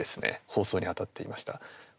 放送にあたっていました。